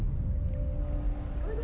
おいで！